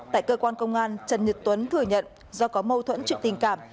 tại cơ quan công an trần nhật tuấn thừa nhận do có mâu thuẫn chuyện tình cảm